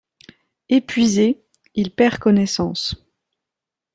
Épuisé, il perd connaissance.